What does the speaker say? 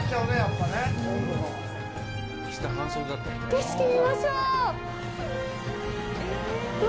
景色見ましょう！